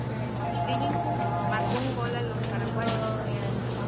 Robinho marcó un gol a los paraguayos.